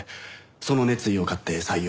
その熱意を買って採用を。